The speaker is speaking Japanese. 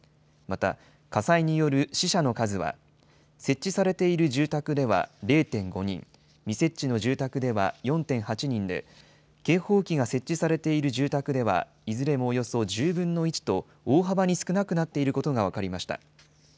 また、火災による死者の数は、設置されている住宅では０．５人、未設置の住宅では４．８人で、警報器が設置されている住宅ではいずれもおよそ１０分の１と大幅に少なくなっていることが分かりました。